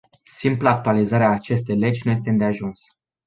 Simpla actualizare a acestei legi nu este îndeajuns.